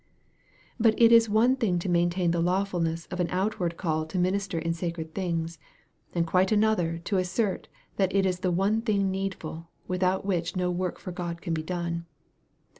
But it is one thing to maintain the lawfulness of an outward call to minister in sacred things, and quite another to assert that it is the one thing needful, without which no work for God can be done.